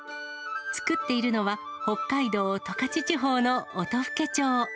作っているのは、北海道十勝地方の音更町。